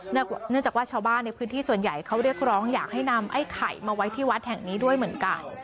เนื่องจากว่าชาวบ้านในพื้นที่ส่วนใหญ่เขาเรียกร้องอยากให้นำไอ้ไข่มาไว้ที่วัดแห่งนี้ด้วยเหมือนกัน